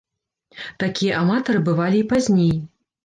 Такія аматары бывалі і пазней.